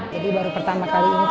jadi baru pertama kali ini